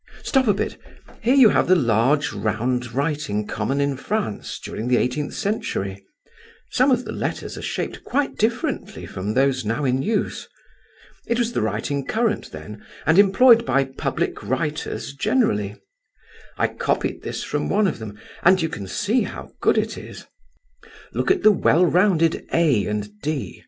Stop a bit—here you have the large round writing common in France during the eighteenth century. Some of the letters are shaped quite differently from those now in use. It was the writing current then, and employed by public writers generally. I copied this from one of them, and you can see how good it is. Look at the well rounded a and d.